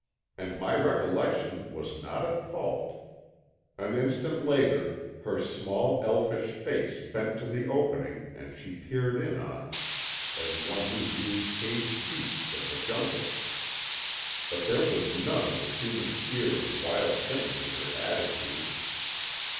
And my recollection was not at fault. An instant later her small, elfish face bent to the opening and she peered in on us—as one who views caged beasts of the jungle. But there was none of the human fear of wild things in her attitude.